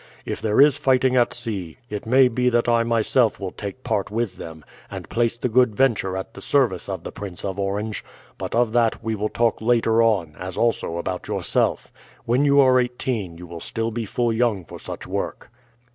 If there is fighting at sea, it may be that I myself will take part with them, and place the Good Venture at the service of the Prince of Orange. But of that we will talk later on, as also about yourself. When you are eighteen you will still be full young for such work."